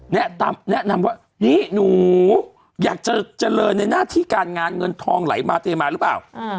แนะนำว่านี่หนูอยากจะเจริญในหน้าที่การงานเงินทองไหลมาเทมาหรือเปล่า